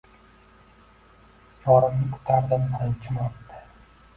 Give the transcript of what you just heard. Yorimni kutardim birinchi marta